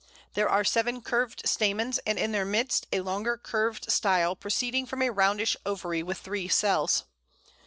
There are seven curved stamens, and in their midst a longer curved style proceeding from a roundish ovary with three cells.